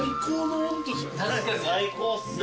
最高っすね。